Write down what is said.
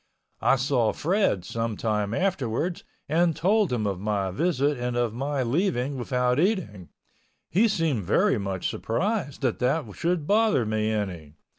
I saw Fred some time afterwards and told him of my visit and of my leaving without eating. He seemed very much surprised that that should bother me any.